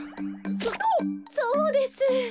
そそうです。